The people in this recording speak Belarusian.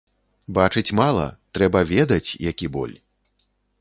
Бачыць мала, трэба ведаць, які боль.